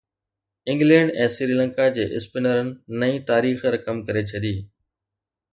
England ۽ Sri Lanka جي اسپنرن نئين تاريخ رقم ڪري ڇڏي